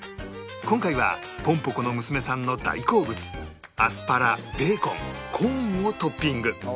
今回はぽんぽ娘の娘さんの大好物アスパラベーコンコーンをトッピング